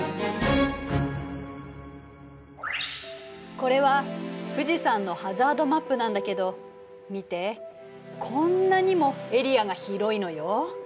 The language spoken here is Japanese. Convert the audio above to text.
これは富士山のハザードマップなんだけど見てこんなにもエリアが広いのよ。